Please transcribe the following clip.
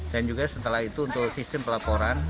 dan juga setelah itu untuk sistem pelaporan